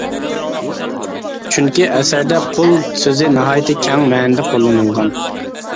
چۈنكى ئەسەردە «قۇل» سۆزى ناھايىتى كەڭ مەنىدە قوللىنىلغان.